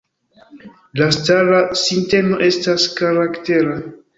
La stara sinteno estas karaktera.